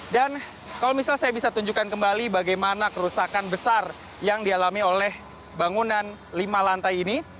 kalau misalnya saya bisa tunjukkan kembali bagaimana kerusakan besar yang dialami oleh bangunan lima lantai ini